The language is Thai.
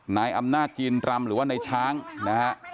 นายอำนาจจีนรำหรือว่านายช้างนะฮะ